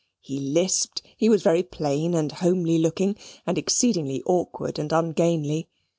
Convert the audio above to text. He lisped he was very plain and homely looking: and exceedingly awkward and ungainly.